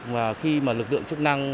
và khi mà lực lượng chức năng